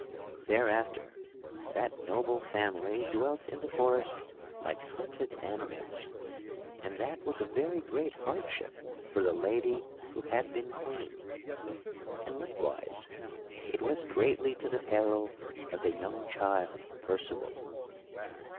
Thereafter that noble family dwelt in the forest like hunted animals, and that was a very great hardship for the lady who had been queen; and, likewise, it was greatly to the peril of the young child, Percival.